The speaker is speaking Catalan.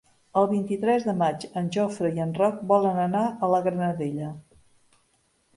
El vint-i-tres de maig en Jofre i en Roc volen anar a la Granadella.